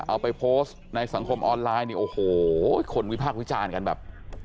เอาไปโพสต์ในสังคมออนไลน์เนี่ยโอ้โหคนวิพากษ์วิจารณ์กันแบบ